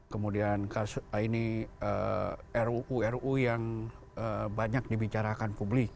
kemudian kasus ruu ru yang banyak dibicarakan publik